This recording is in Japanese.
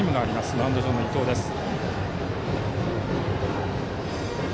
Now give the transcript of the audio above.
マウンド上の伊藤です。